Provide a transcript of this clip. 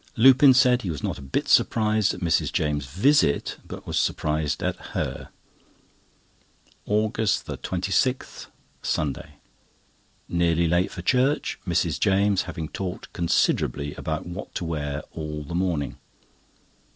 Lupin said he was not a bit surprised at Mrs. James' visit, but was surprised at her. AUGUST 26, Sunday.—Nearly late for church, Mrs. James having talked considerably about what to wear all the morning.